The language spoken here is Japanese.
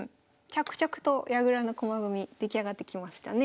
着々と矢倉の駒組み出来上がってきましたね。